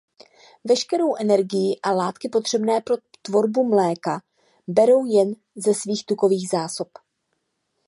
Veškerou energii a látky potřebné pro tvorbu mléka berou jen ze svých tukových zásob.